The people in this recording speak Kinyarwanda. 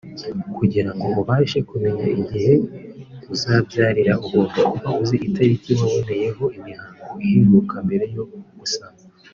Kugira ngo ubashe kumenya igihe uzabyarira ugomba kuba uzi itariki waboneyeho imihango iheruka mbere yo gusama